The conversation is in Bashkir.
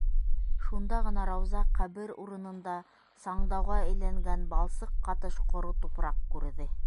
- Шунда ғына Рауза ҡәбер урынында саңдауға әйләнгән балсыҡ ҡатыш ҡоро тупраҡ күрҙе.